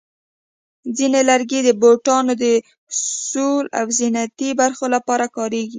ځینې لرګي د بوټانو د سول او زینتي برخو لپاره کارېږي.